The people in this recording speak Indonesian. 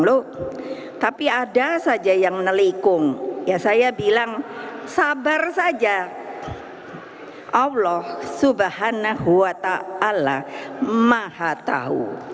loh tapi ada saja yang nelikung ya saya bilang sabar saja allah swt maha tahu